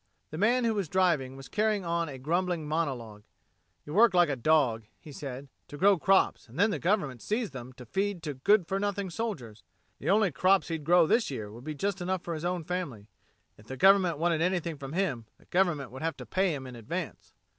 The man who was driving was carrying on a grumbling monologue. You worked like a dog, he said, to grow crops and then the government seized them to feed to good for nothing soldiers. The only crops he'd grow this year would be just enough for his own family. If the government wanted anything from him the government would have to pay him in advance.